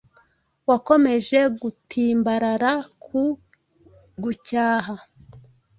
Wakomeje gutimbarara ku gucyaha,